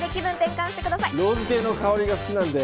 ローズティーの香りが好きなんで。